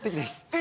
え！？